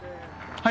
はい。